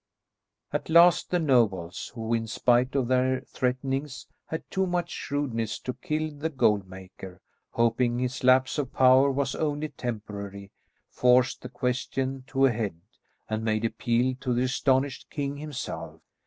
At last the nobles, who, in spite of their threatenings, had too much shrewdness to kill the gold maker, hoping his lapse of power was only temporary, forced the question to a head and made appeal to the astonished king himself.